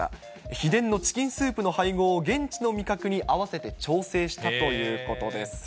秘伝のチキンスープの配合を、現地の味覚に合わせて調整したということです。